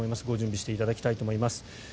ご準備していただきたいと思います。